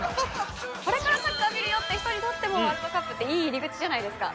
これからサッカー見るよって人にとってもワールドカップっていい入り口じゃないですか。